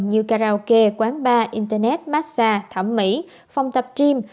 như karaoke quán bar internet massage thẩm mỹ phòng tập gym